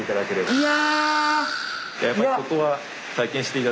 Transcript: いや！